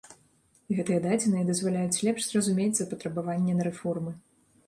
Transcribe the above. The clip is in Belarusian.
Гэтыя дадзеныя дазваляюць лепш зразумець запатрабаванне на рэформы.